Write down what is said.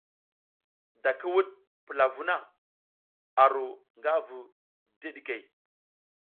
Da ki wuɗ pula vuh na, a ru nga vu dideɗikey.